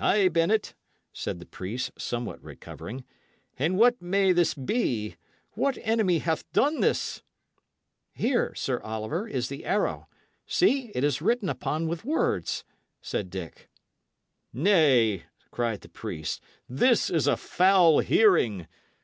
"Ay, Bennet," said the priest, somewhat recovering, "and what may this be? What enemy hath done this?" "Here, Sir Oliver, is the arrow. See, it is written upon with words," said Dick. "Nay," cried the priest, "this is a foul hearing!